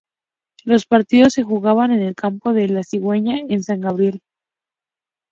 Los partidos se jugaban en el campo de "La Cigüeña" en San Gabriel.